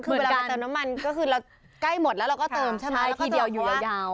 คือเวลาเติมน้ำมันก็คือเราใกล้หมดแล้วเราก็เติมใช่ไหม